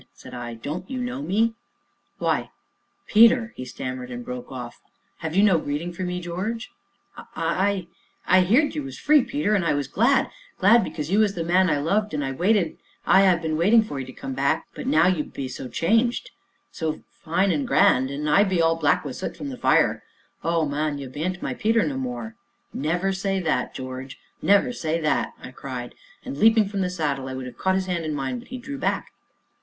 said I, "don't you know me?" "Why Peter " he stammered, and broke off. "Have you no greeting for me, George?" "Ay, ay I heerd you was free, Peter, and I was glad glad, because you was the man as I loved, an' I waited ay, I've been waitin' for 'ee to come back. But now you be so changed so fine an' grand an' I be all black wi' soot from the fire oh, man! ye bean't my Peter no more " "Never say that, George never say that," I cried, and, leaping from the saddle, I would have caught his hand in mine, but he drew back.